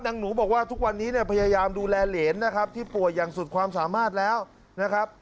หนูบอกว่าทุกวันนี้เนี่ยพยายามดูแลเหรนนะครับที่ป่วยอย่างสุดความสามารถแล้วนะครับ